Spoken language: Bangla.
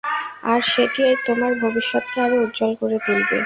আর সেটি তোমার ভবিষ্যতকে আরো উজ্জ্বল করে তুলবে।